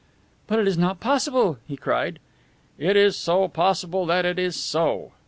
"But it is not possible!" he cried. "It is so possible that it is so.